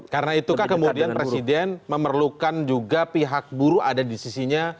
karena itukah kemudian presiden memerlukan juga pihak buruh ada di sisinya